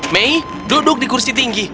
mei duduk di kursi tinggi